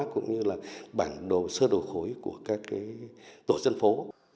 cũng như là bản đồ sơ đồ khối của các tổ dân phố